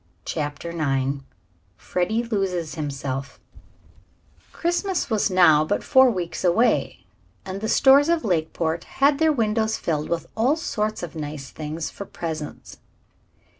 CHAPTER IX FREDDIE LOSES HIMSELF Christmas was now but four weeks away, and the stores of Lakeport had their windows filled with all sort of nice things for presents.